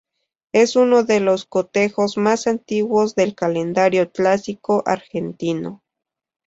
Es uno de los cotejos más antiguos del calendario clásico argentino.